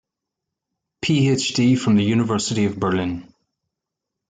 Ph.D. from the University of Berlin.